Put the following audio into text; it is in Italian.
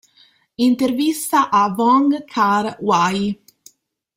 Intervista a Wong Kar-Wai.